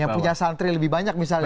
yang punya santri lebih banyak misalnya